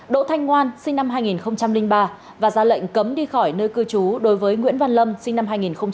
đỗ thanh ngoan sinh năm hai nghìn ba và ra lệnh cấm đi khỏi nơi cư trú đối với nguyễn văn lâm sinh năm hai nghìn